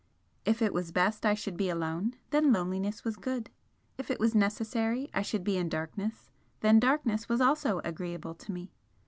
If it was best I should be alone, then loneliness was good if it was necessary I should be in darkness, then darkness was also agreeable to me.